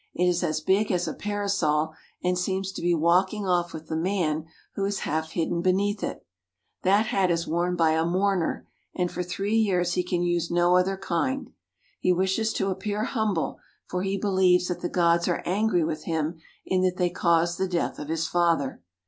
. It is as big as a parasol and seems to be walking off with the man who is half hidden be neath it. That hat is worn by a mourner, and for three years he can use no other kind. He wishes to ap pear humble, for he believes that the gods are angry with him in that they caused the death of his father.